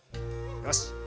よし。